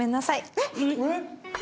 えっ！